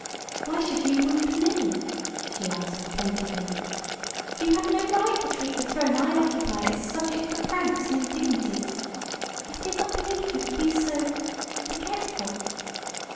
"Why should you wound me?" she asked, plaintively. "You have no right to treat the throne I occupy as a subject for pranks and indignities. I did not believe you could be so forgetful."